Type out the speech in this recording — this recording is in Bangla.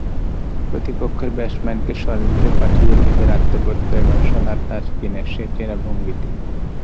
প্রতিপক্ষের ব্যাটসম্যানকে সাজঘরে পাঠিয়ে নিজের আত্মপ্রত্যয় ঘোষণার তাসকিনের সেই চেনা ভঙ্গিটি।